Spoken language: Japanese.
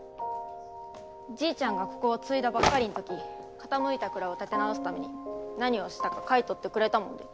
じいちゃんがここを継いだばっかりんとき傾いた蔵を立て直すために何をしたか書いとってくれたもんで。